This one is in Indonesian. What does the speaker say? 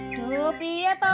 aduh pieto pak